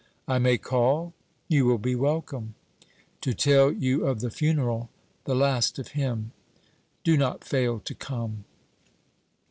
'I may call?' 'You will be welcome.' 'To tell you of the funeral the last of him.' 'Do not fail to come.'